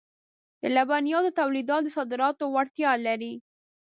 د لبنیاتو تولیدات د صادراتو وړتیا لري.